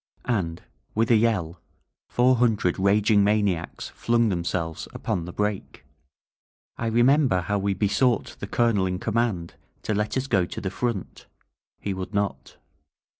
And, with a yell, four hundred raging maniacs flung themselves upon the break. •.• I remember how we besought the Colonel in com mand to let us go to the front. He would not.